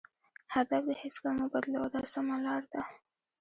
هدف دې هېڅکله مه بدلوه دا سمه لار ده.